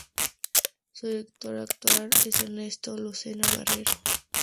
Su director actual es Ernesto Lucena Barrero.